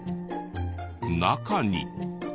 中に。